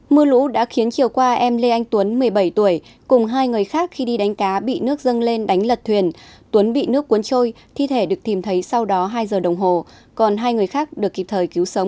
mưa lũ đã khiến chiều qua em lê anh tuấn một mươi bảy tuổi cùng hai người khác khi đi đánh cá bị nước dâng lên đánh lật thuyền tuấn bị nước cuốn trôi thi thể được tìm thấy sau đó hai giờ đồng hồ còn hai người khác được kịp thời cứu sống